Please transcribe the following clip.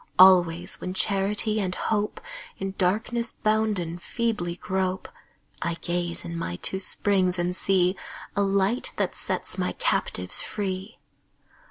Always when Charity and Hope, In darkness bounden, feebly grope, I gaze in my two springs and see A Light that sets my captives free.